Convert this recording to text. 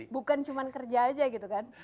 bukan cuma kerja aja gitu kan